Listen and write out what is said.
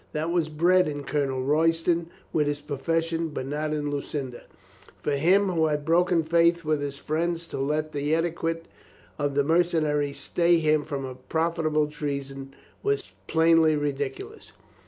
That was bred in Colonel Royston with his profession, but not in Lucinda. For him who had broken faith with his friend to let the etiquette of the mercenary stay him from a profitable treason was plainly ridiculous.